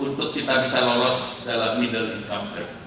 untuk kita bisa lolos dalam middle incompress